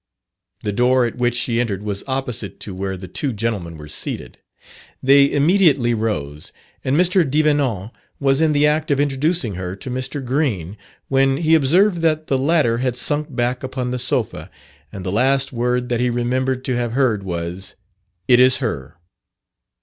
The door at which she entered was opposite to where the two gentlemen were seated. They immediately rose; and Mr. Devenant was in the act of introducing her to Mr. Green, when he observed that the latter had sunk back upon the sofa, and the last word that he remembered to have heard was, "It is her."